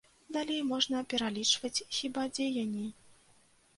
Далей можна пералічваць хіба дзеянні.